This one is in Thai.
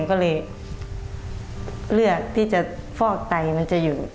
ก็เลยเลือกที่จะฟอกไตมันจะอยู่